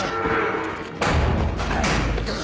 あっ！